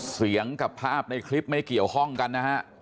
เสียงกับภาพในคลิปไม่เกี่ยวข้องกันนะฮะ